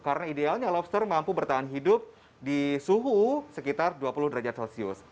karena idealnya lobster mampu bertahan hidup di suhu sekitar dua puluh derajat celcius